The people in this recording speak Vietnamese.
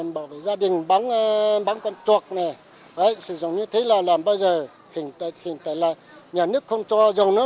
bởi vì gia đình bắn con chuột này sử dụng như thế là làm bao giờ hình tại là nhà nước không cho dòng nước